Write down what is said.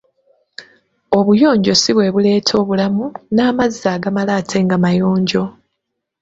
Obuyonjo ssi bwe buleeta obulamu, n'amazzi agamala ate nga mayonjo.